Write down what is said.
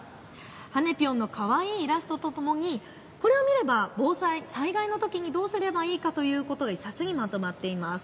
はねぴょんのかわいいイラストとともにこれを見れば防災、災害のときにどうすればいいかということが１冊にまとまっています。